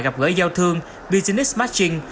gặp gỡ giao thương business matching